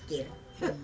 kita harus berbicara